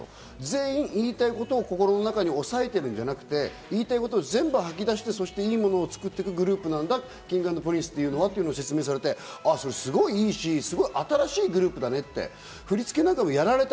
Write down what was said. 全員言いたいことを心の中に抑えてるんじゃなくて、言いたいことを全部吐き出して、いいものを作っていくグループなんだ、Ｋｉｎｇ＆Ｐｒｉｎｃｅはというのを説明していて、すごくいいし、新しいグループだね。